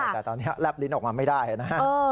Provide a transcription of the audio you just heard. แต่ตอนนี้แลบลิ้นออกมาไม่ได้นะฮะ